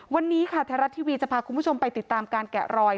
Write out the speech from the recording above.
วันนี้ค่ะไทยรัฐทีวีจะพาคุณผู้ชมไปติดตามการแกะรอย